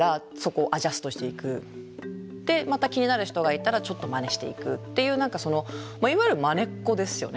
でまた気になる人がいたらちょっとまねしていくっていう何かそのいわゆるまねっこですよね。